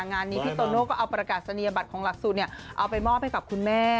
งานนี้พี่โตโน่ก็เอาประกาศนียบัตรของหลักสูตรเอาไปมอบให้กับคุณแม่